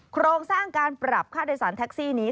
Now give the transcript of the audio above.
โครงสร้างการปรับค่าโดยสารแท็กซี่นี้